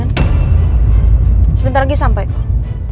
kamu juga seperti ini karir dirimu sendiri kan